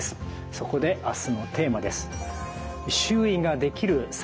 そこで明日のテーマです。